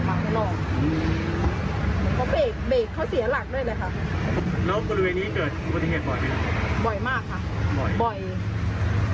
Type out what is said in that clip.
หมุนตรงเสาไฟตรงเนี้ยครับหมุนหมุนมาอย่างงี้น่ะ